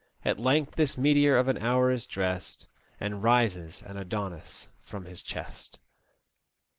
At length this meteor of an hour is dressed, And rises an Adonis from his chest."